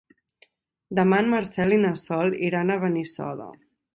Demà en Marcel i na Sol iran a Benissoda.